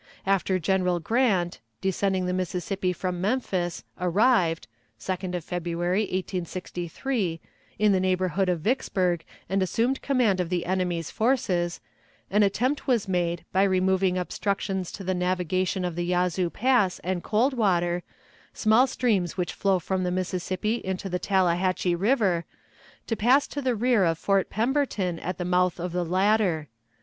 After General Grant, descending the Mississippi from Memphis, arrived (2d of February, 1863) in the neighborhood of Vicksburg and assumed command of the enemy's forces, an attempt was made, by removing obstructions to the navigation of the Yazoo Pass and Cold Water, small streams which flow from the Mississippi into the Tallahatchie River, to pass to the rear of Fort Pemberton at the mouth of the latter.